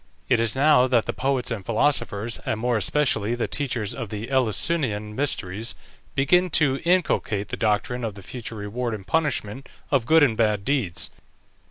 It is now that the poets and philosophers, and more especially the teachers of the Eleusinian Mysteries, begin to inculcate the doctrine of the future reward and punishment of good and bad deeds.